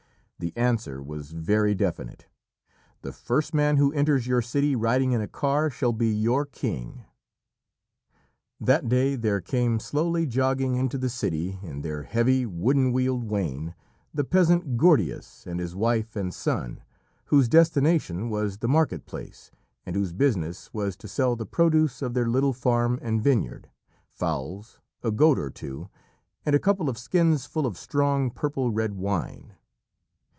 The answer was very definite: "The first man who enters your city riding in a car shall be your king." That day there came slowly jogging into the city in their heavy, wooden wheeled wain, the peasant Gordias and his wife and son, whose destination was the marketplace, and whose business was to sell the produce of their little farm and vineyard fowls, a goat or two, and a couple of skinsful of strong, purple red wine.